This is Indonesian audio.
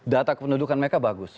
data kependudukan mereka bagus